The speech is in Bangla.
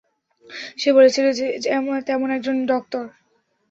সে বলেছিল যে, তেমন একজন ডাক্তার।